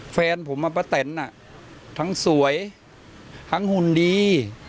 แฟนผมป้าแตนทั้งสวยทั้งหุ่นดี